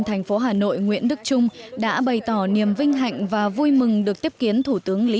thành phố hà nội nguyễn đức trung đã bày tỏ niềm vinh hạnh và vui mừng được tiếp kiến thủ tướng lý